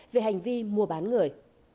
về hành vi mua bán người